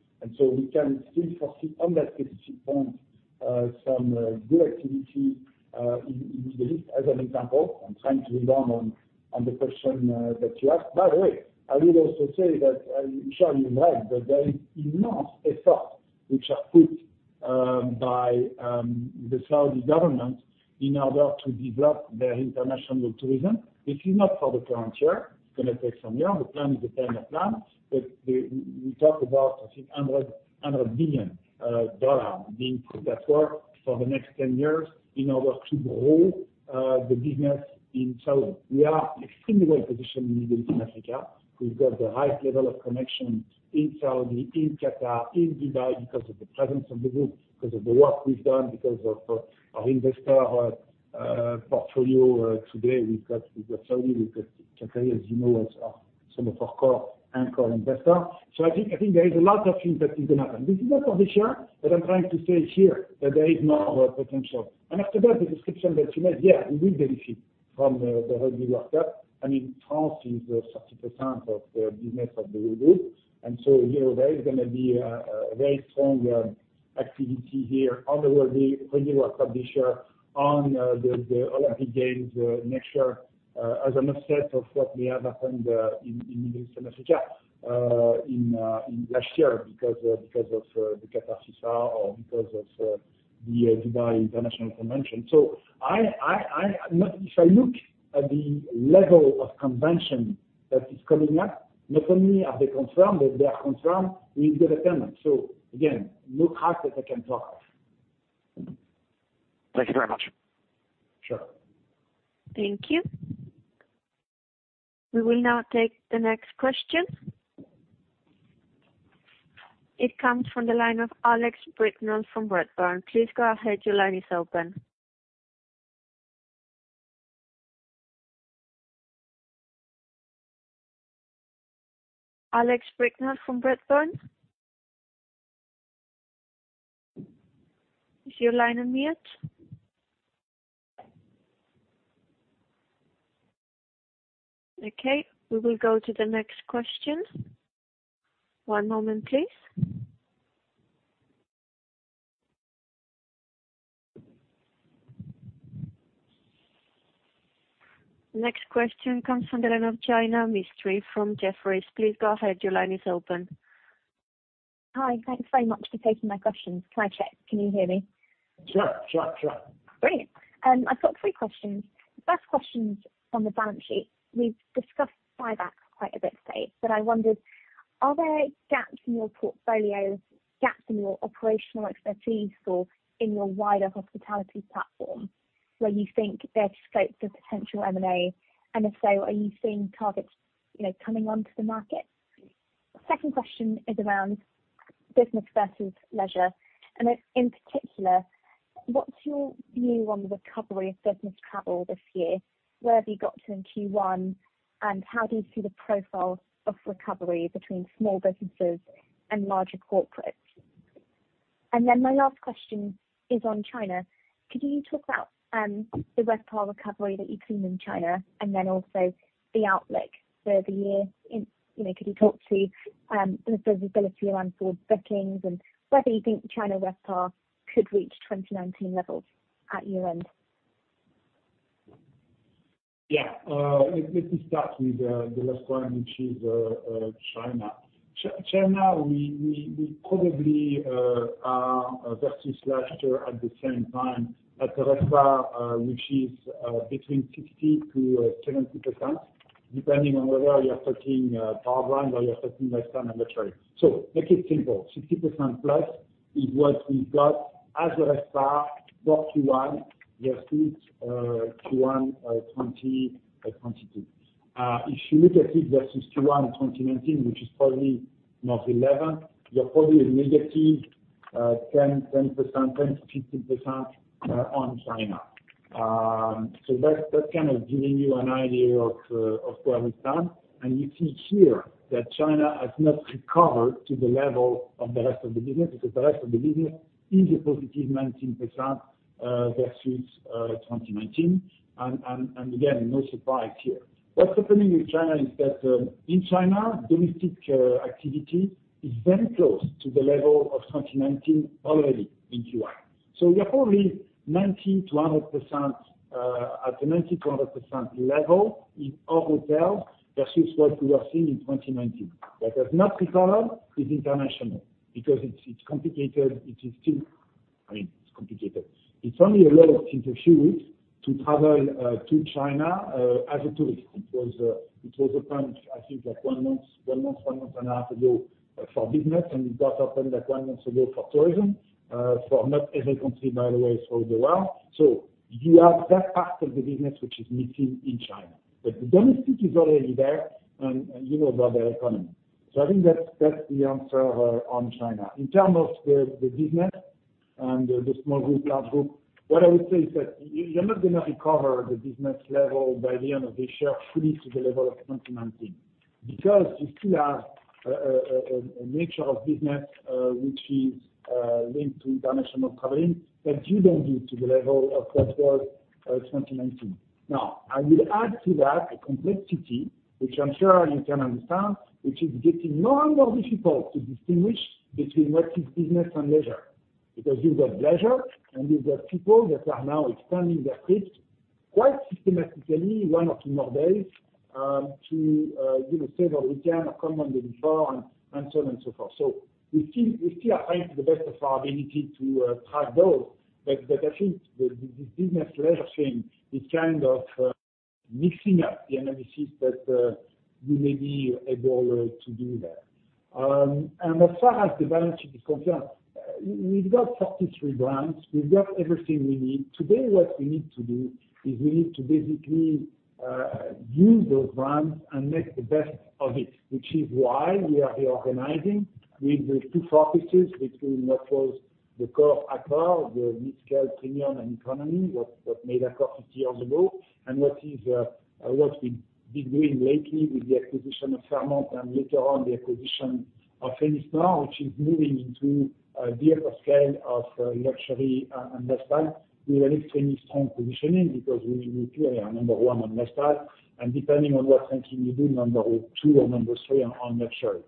We can still foresee on that specific point some good activity in Middle East as an example. I'm trying to rebound on the question that you asked. By the way, I will also say that I'm sure you're right, that there is enormous effort which are put by the Saudi government in order to develop their international tourism, which is not for the current year. It's gonna take some years. The plan is a 10-year plan. We talk about, I think, $100 billion being put at work for the next 10 years in order to grow the business in Saudi. We are extremely well positioned in Middle East and Africa. We've got the highest level of connection in Saudi, in Qatar, in Dubai because of the presence of the group, because of the work we've done, because of our investor portfolio. Today we've got Saudi, we've got Qatar, as you know, as some of our core anchor investors. I think there is a lot of things that is gonna happen. This is not for this year, but I'm trying to say here that there is more potential. After that, the description that you made, yeah, we will benefit from the Rugby World Cup. I mean, France is 30% of the business of the group. You know, there is gonna be a very strong activity here on the Rugby World Cup this year, on the Olympic Games next year, as an offset of what we have happened in Middle East and Africa, in last year because of the Qatar FIFA or because of the Dubai International Convention. If I look at the level of convention that is coming up, not only are they confirmed, but they are confirmed with good attendance. Again, no crisis I can talk of. Thank you very much. Sure. Thank you. We will now take the next question. It comes from the line of Alex Brignall from Redburn. Please go ahead. Your line is open. Alex Brignall from Redburn? Is your line on mute? Okay, we will go to the next question. One moment, please. Next question comes from the line of Jaina Mistry from Jefferies. Please go ahead. Your line is open. Hi. Thanks very much for taking my questions. Can I check, can you hear me? Sure, sure. Brilliant. I've got three questions. First question is on the balance sheet. We've discussed buyback quite a bit today, I wondered, are there gaps in your portfolio, gaps in your operational expertise or in your wider hospitality platform where you think there's scope for potential M&A? If so, are you seeing targets, you know, coming onto the market? Second question is around business versus leisure. In particular, what's your view on the recovery of business travel this year? Where have you got to in Q1, how do you see the profile of recovery between small businesses and larger corporates? My last question is on China. Could you talk about the RevPAR recovery that you've seen in China and then also the outlook for the year, you know, could you talk to the visibility around forward bookings and whether you think China RevPAR could reach 2019 levels at year-end? Yeah. Let me start with the last one, which is China. China, we probably are versus last year at the same time at the RevPAR, which is between 60%-70%, depending on whether you're talking power brand or you're talking lifestyle and luxury. Make it simple, 60% plus is what we've got as a RevPAR for Q1 versus Q1 2022. If you look at it versus Q1 in 2019, which is probably north eleven, you're probably a negative 10%, 10%-15% on China. That's kind of giving you an idea of where we stand. You see here that China has not recovered to the level of the rest of the business because the rest of the business is a positive 19% versus 2019. Again, no surprise here. What's happening with China is that in China, domestic activity is very close to the level of 2019 already in Q1. We are probably 90%-100% at the 90%-100% level in all hotels versus what we were seeing in 2019. What has not recovered is international because it's complicated. I mean, it's complicated. It's only a matter of since a few weeks to travel to China as a tourist. It was opened, I think, like 1 month and a half ago for business. It got opened, like, 1 month ago for tourism. For not every country, by the way, it's only the West. You have that part of the business which is missing in China. The domestic is already there. You know about their economy. I think that's the answer on China. In terms of the business and the small group, large group, what I would say is that you're not gonna recover the business level by the end of this year fully to the level of 2019 because you still have a nature of business which is linked to international traveling that you don't build to the level of what was 2019. I will add to that a complexity, which I'm sure you can understand, which is getting more and more difficult to distinguish between what is business and leisure. You've got leisure, and you've got people that are now extending their trips quite systematically, one or two more days, you know, to stay the weekend or come on the before and so on and so forth. We still are trying to the best of our ability to track those. I think this business leisure thing is kind of mixing up the analysis that you may be able to do there. As far as the balance sheet is concerned, we've got 43 brands. We've got everything we need. Today what we need to do is we need to basically use those brands and make the best of it, which is why we are reorganizing with the two focuses between what was the core Accor, the mid-scale, premium, and economy, what made Accor 50 years ago, and what is what we've been doing lately with the acquisition of Fairmont and later on the acquisition of MGallery, which is moving into the upper scale of luxury and lifestyle with extremely strong positioning because we clearly are number 1 on lifestyle and depending on what ranking you do, number 2 or number 3 on luxury.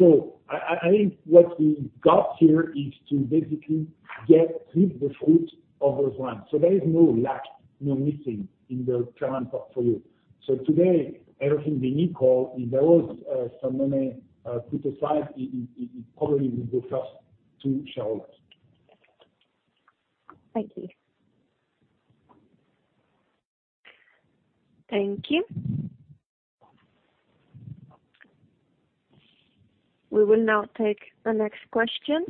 I think what we've got here is to basically reap the fruit of those brands. There is no lack, no missing in the current portfolio. Today, everything we need, call, if there was, some money, put aside, it probably will go first to shareholders. Thank you. Thank you. We will now take the next question.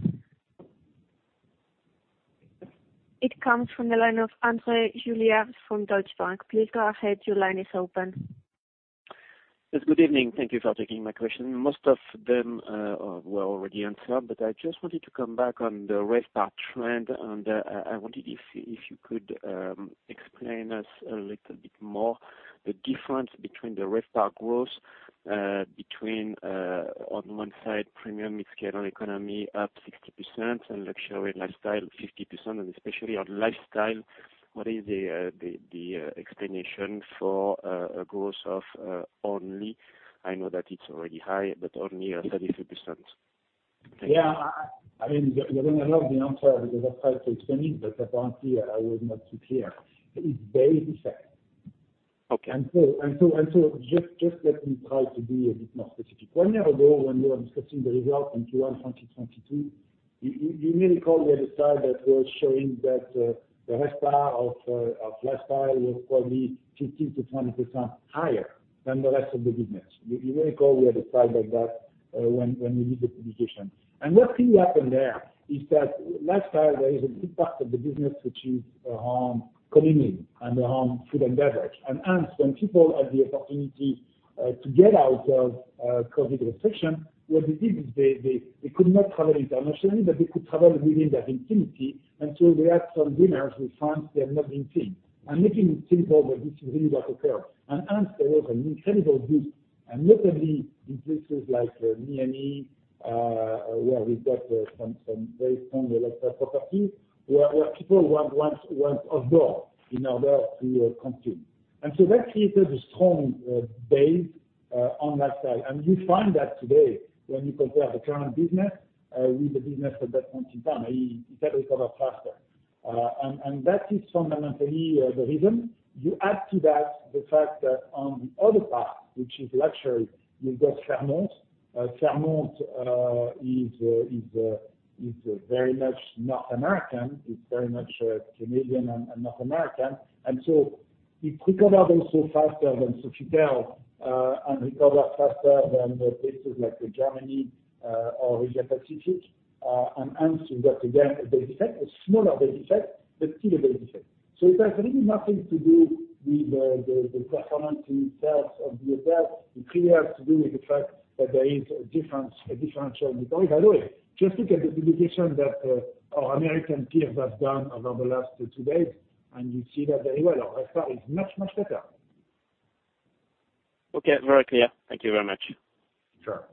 It comes from the line of Andre Juillard from Deutsche Bank. Please go ahead. Your line is open. Yes, good evening. Thank you for taking my question. Most of them were already answered. I just wanted to come back on the RevPAR trend. I wondered if you could explain us a little bit more the difference between the RevPAR growth between on one side, premium mid-scale or economy up 60% and luxury lifestyle 50% and especially on lifestyle. What is the explanation for a growth of only, I know that it's already high, but only 33%? Thank you. Yeah. I mean, you're gonna love the answer because I tried to explain it, but apparently I was not too clear. It's base effect. Okay. Let me try to be a bit more specific. One year ago, when we were discussing the results in Q1 2022, you may recall we had a slide that was showing that the RevPAR of lifestyle was probably 15%-20% higher than the rest of the business. You may recall we had a slide like that when we did the presentation. What really happened there is that lifestyle, there is a big part of the business, which is culinary and around food and beverage. When people had the opportunity to get out of COVID restriction, what they did is they could not travel internationally, but they could travel within that vicinity. We had some dinners with friends they have not been seen. I'm making it simple, but this is really what occurred. There was an incredible boost, and notably in places like Miami, where we've got some very strong electro properties where people want outdoor in order to consume. That created a strong base on that side. You find that today when you compare the current business with the business at that point in time, it had recovered faster. That is fundamentally the reason. You add to that the fact that on the other part, which is luxury, you've got Fairmont. Fairmont is very much North American, it's very much Canadian and North American. It recovered also faster than Sofitel, and recovered faster than the places like Germany, or Asia Pacific, and hence you got again, a base effect, a smaller base effect, but still a base effect. It has really nothing to do with the performance in itself of the hotel. It clearly has to do with the fact that there is a differential in the value. By the way, just look at the valuation that our American peers have done over the last two days, and you see that very well. Our RevPAR is much better. Okay. Very clear. Thank you very much. Sure.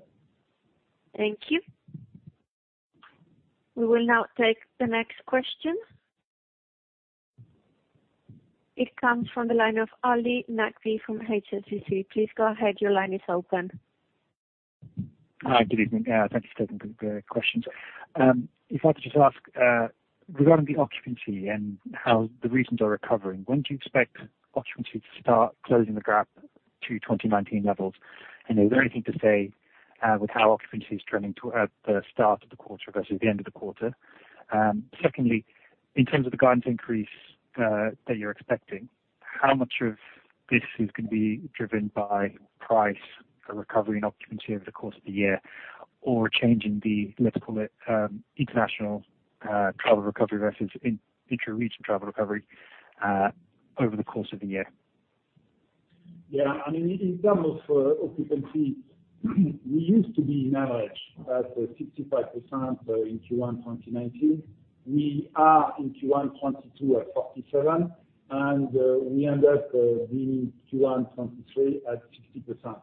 Thank you. We will now take the next question. It comes from the line of Ali Naqvi from HSBC. Please go ahead. Your line is open. Hi, good evening. Thank you for taking the questions. If I could just ask, regarding the occupancy and how the regions are recovering, when do you expect occupancy to start closing the gap to 2019 levels? Is there anything to say with how occupancy is trending at the start of the quarter versus the end of the quarter? Secondly, in terms of the guidance increase that you're expecting, how much of this is gonna be driven by price for recovery and occupancy over the course of the year or change in the, let's call it, international travel recovery versus in-intra-region travel recovery over the course of the year? Yeah. I mean, in terms of occupancy, we used to be in average at 65% in Q1 2019. We are in Q1 2022 at 47%, and we ended the Q1 2023 at 60%.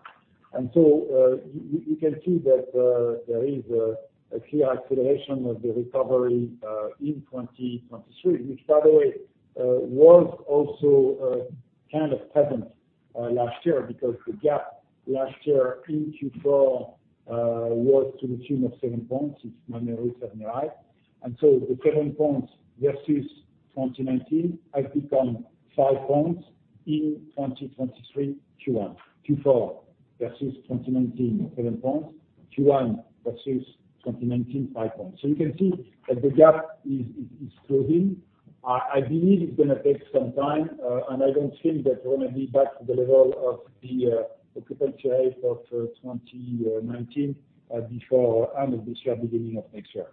You can see that there is a clear acceleration of the recovery in 2023, which by the way, was also kind of present last year because the gap last year in Q4 was to the tune of 7 points if my memory serves me right. The 7 points versus 2019 has become 5 points in 2023, Q1. Q4 versus 2019, 7 points. Q1 versus 2019, 5 points. You can see that the gap is closing. I believe it's gonna take some time. I don't think that we're gonna be back to the level of the occupancy rate of 2019 before end of this year, beginning of next year.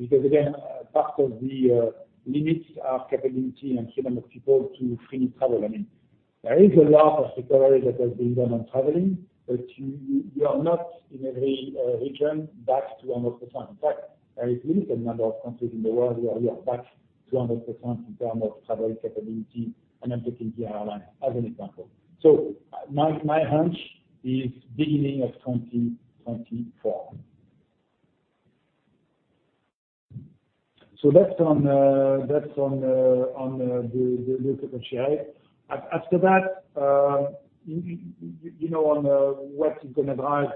Again, part of the limits are capability and freedom of people to freely travel. I mean, there is a lot of recovery that has been done on traveling, but you are not in every region back to 100%. In fact, there is limited number of countries in the world where we are back to 100% in term of travel capability, and I'm taking the airline as an example. My hunch is beginning of 2024. That's on the occupancy rate. After that, you know, on what's gonna drive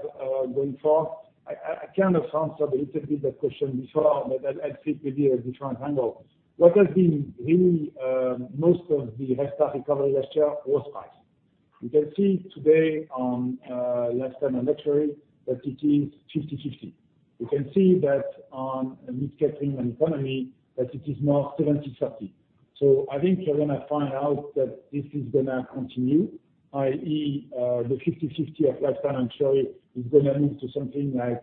going forward, I kind of answered a little bit that question before, but I'll treat with you a different angle. What has been really, most of the RevPAR recovery last year was price. You can see today on lifestyle and luxury that it is 50/50. You can see that on mid-scale, premium, and economy, that it is more 70/30. I think you're gonna find out that this is gonna continue, i.e., the 50/50 of lifestyle and luxury is gonna move to something like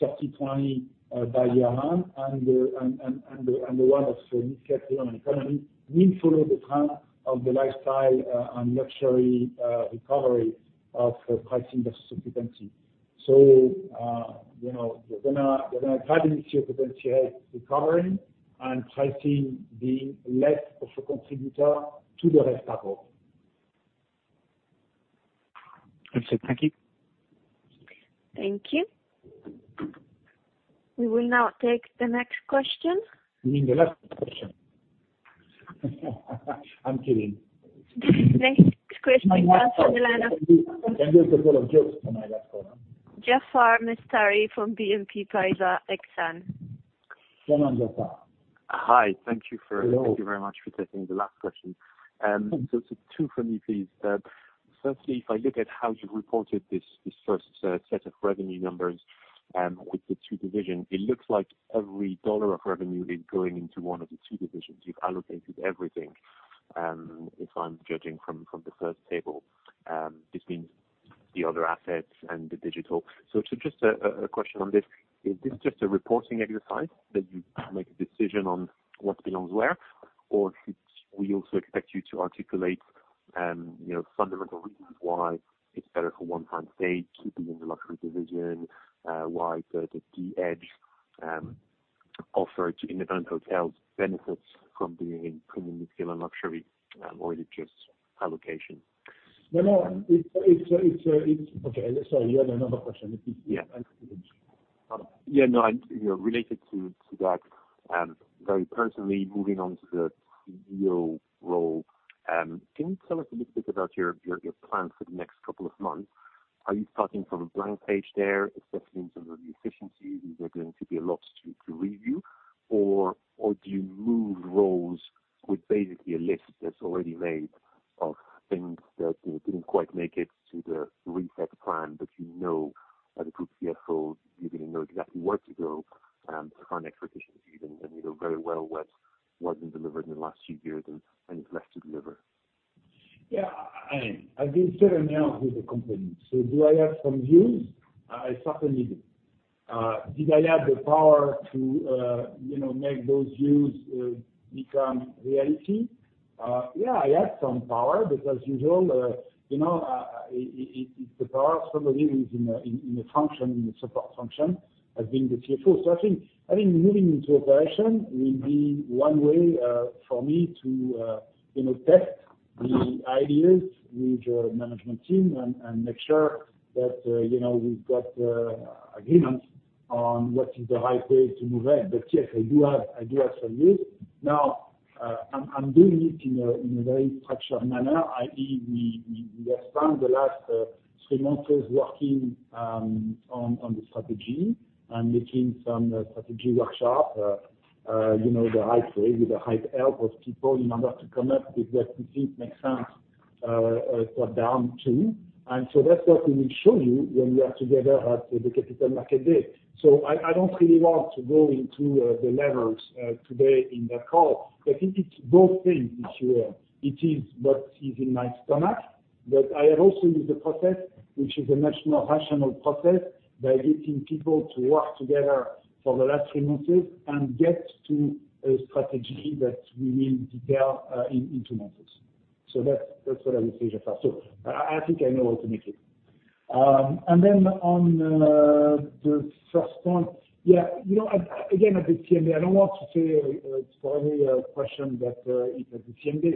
30/20 by year on, and the one of mid-scale, premium, and economy will follow the trend of the lifestyle and luxury recovery of pricing versus occupancy. You know, we're gonna try the potential recovery and pricing being less of a contributor to the rest of all. Excellent. Thank you. Thank you. We will now take the next question. You mean the last question. I'm kidding. Next question comes from the line of. I make a lot of jokes on my last call. Jaafar Mestari from BNP Paribas Exane. Come on, Jaafar. Hi. Thank you. Hello. Thank you very much for taking the last question. 2 for me, please. Firstly, if I look at how you've reported this first set of revenue numbers, with the 2 division, it looks like every dollar of revenue is going into 1 of the 2 divisions. You've allocated everything, if I'm judging from the first table. This means the other assets and the digital. Just a question on this, is this just a reporting exercise that you make a decision on what belongs where? Should we also expect you to articulate, you know, fundamental reasons why it's better for onefinestay to be in the luxury division, why the DH offer to independent hotels benefits from being in Premium, Upscale and Luxury, or is it just allocation? No, no. It's. Okay. Sorry, you had another question. Yeah. Yeah, no. I, you know, related to that, very personally, moving on to the CEO role, can you tell us a little bit about your plans for the next couple of months? Are you starting from a blank page there, assessing some of the efficiencies? These are going to be a lot to review, or do you move roles with basically a list that's already made of things that, you know, didn't quite make it to the reset plan, but you know as a group CFO, you're gonna know exactly where to go to find extra efficiency. You know very well what's been delivered in the last few years and is left to deliver. Yeah. I've been seven years with the company. Do I have some views? I certainly do. Did I have the power to, you know, make those views become reality? Yeah, I had some power because usually, you know, it's the power of somebody who's in a function, in a support function as being the CFO. I think moving into operation will be one way for me to, you know, test the ideas with your management team and make sure that, you know, we've got agreement on what is the right way to move ahead. Yes, I do have some views. I'm doing it in a very structured manner, i.e., we have spent the last three months working on the strategy and making some strategy workshop, you know, the right way with the right help of people in order to come up with what we think makes sense top down too. That's what we will show you when we are together at the Capital Markets Day. I don't really want to go into the levels today in that call. It's both things. It's what is in my stomach. I also need the process, which is a much more rational process by getting people to work together for the last three months and get to a strategy that we will detail in two months. That's what I would say, Jaafar. I think I know how to make it. On the first point, yeah, you know, again, at the CMA, I don't want to say, it's probably a question that is at the CMA.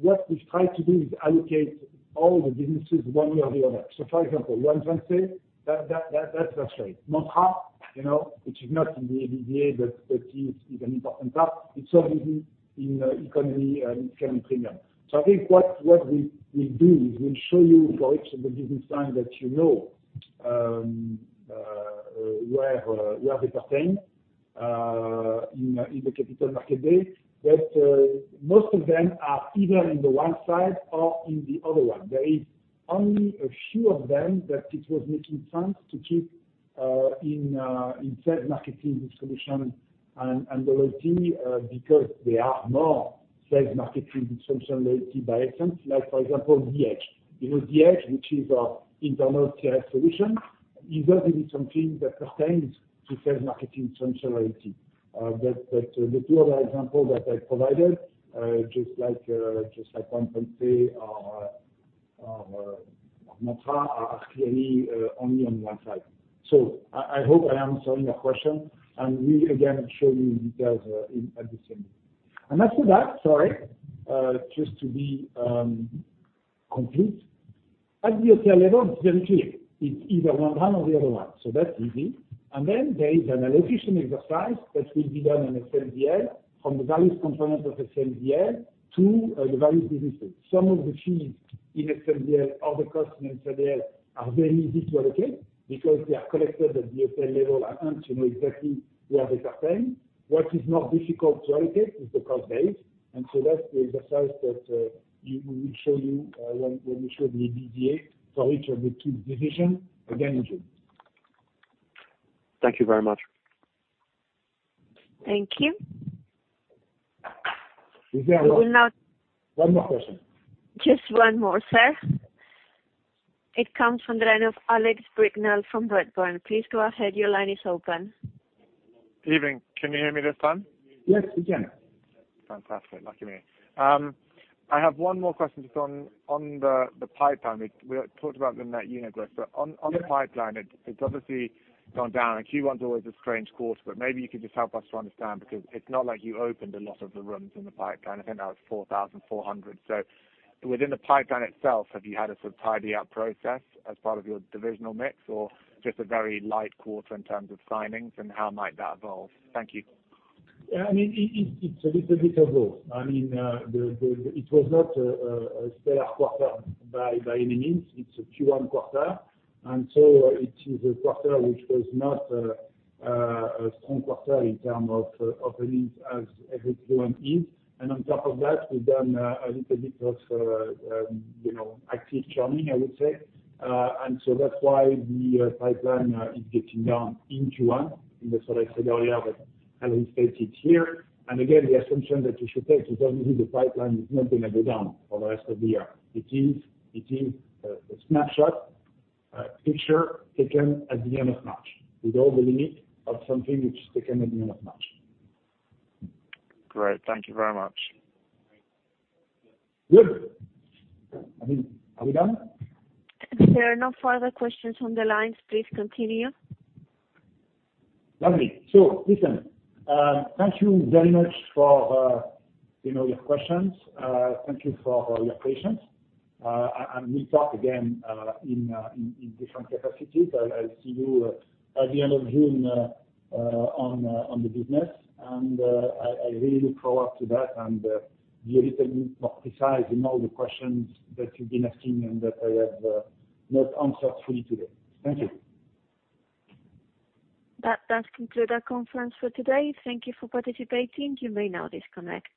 What we've tried to do is allocate all the businesses one way or the other. For example, onefinestay, that's that way. Mantra, you know, which is not in the EBITDA, but is an important part. It's only in economy and economy premium. I think what we do is we'll show you for each of the business lines that you know, where they pertain in the Capital Markets Day. Most of them are either in the one side or in the other one. There is only a few of them that it was making sense to keep in Sales, Marketing, Distribution and Loyalty because they are more Sales, Marketing, Distribution, Loyalty by essence. Like for example, DH. You know, DH, which is our internal sales solution, is definitely something that pertains to Sales, Marketing, Distribution, Loyalty. But the two other examples that I provided, just like onefinestay or Mantra are clearly only on one side. I hope I am answering your question. We again show you in details at this end. After that, sorry, just to be complete. At the hotel level, it's very clear. It's either one or the other one, so that's easy. There is an allocation exercise that will be done in SBL from the various components of SBL to the various businesses. Some of the fees in SBL or the cost in SBL are very easy to allocate because they are collected at the hotel level and you know exactly where they pertain. What is not difficult to allocate is the cost base. That's the exercise that you, we will show you when we show the EBITDA for each of the two division. Again, in June. Thank you very much. Thank you. Is there one- We will now- One more question. Just one more, sir. It comes from the line of Alex Brignall from Redburn. Please go ahead. Your line is open. Evening. Can you hear me this time? Yes, we can. Fantastic. Lucky me. I have one more question just on the pipeline. We have thought about them that you neglect. On the pipeline. Yeah. It's obviously gone down and Q1's always a strange quarter, but maybe you could just help us to understand, because it's not like you opened a lot of the rooms in the pipeline. I think that was 4,400. Within the pipeline itself, have you had a sort of tidy up process as part of your divisional mix or just a very light quarter in terms of signings and how might that evolve? Thank you. Yeah, I mean, it's a little bit of both. I mean, it was not a stellar quarter by any means. It's a Q1 quarter. It is a quarter which was not a strong quarter in term of openings as every Q1 is. On top of that, we've done a little bit of, you know, active churning, I would say. That's why the pipeline is getting down in Q1. That's what I said earlier, but I'll restate it here. Again, the assumption that you should take, it doesn't mean the pipeline is not gonna go down for the rest of the year. It is, a snapshot, a picture taken at the end of March with all the limit of something which is taken at the end of March. Great. Thank you very much. Good. I think... Are we done? There are no further questions on the lines. Please continue. Lovely. Listen, thank you very much for, you know, your questions. Thank you for your patience. We'll talk again in different capacities. I'll see you at the end of June on the business. I really look forward to that and be a little more precise in all the questions that you've been asking and that I have not answered fully today. Thank you. That does conclude our conference for today. Thank you for participating. You may now disconnect.